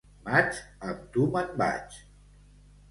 Maig, amb tu me'n vaig.